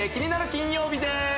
金曜日です